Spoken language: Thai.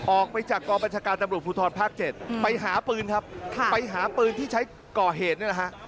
ออกไปจากกองบัญชาการตำรวจภูทรภาค๗ไปหาปืนครับไปหาปืนที่ใช้ก่อเหตุนี่แหละฮะ